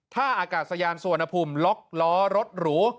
ถ้าอากาศยานสวรรพุมล็อกล้อรถหรู